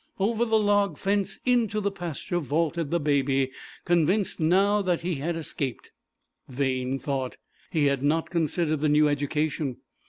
Over the log fence into the pasture vaulted the Baby, convinced now that he had escaped. Vain thought! He had not considered the new education.